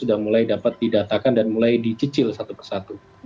sudah mulai dapat didatakan dan mulai dicicil satu persatu